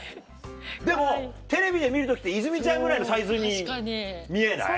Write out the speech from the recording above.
でもテレビで見る時って泉ちゃんぐらいのサイズに見えない？